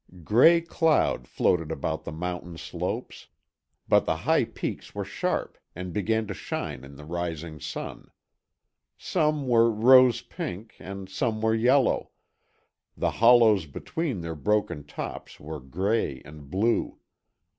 Gray cloud floated about the mountain slopes, but the high peaks were sharp and began to shine in the rising sun. Some were rose pink and some were yellow; the hollows between their broken tops were gray and blue.